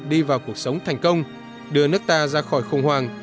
đi vào cuộc sống thành công đưa nước ta ra khỏi khủng hoảng